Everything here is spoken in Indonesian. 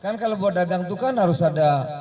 kan kalau buat dagang itu kan harus ada